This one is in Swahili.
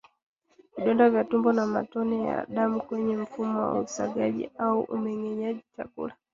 Vidonda vya tumbo na matone ya damu kwenye mfumo wa usagaji au umengenyaji chakula